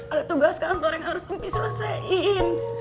ada tugas kantor yang harus empi selesein